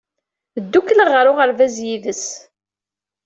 Ddukkleɣ ɣer uɣerbaz yid-s.